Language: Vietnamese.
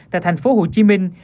tại thành phố hồ chí minh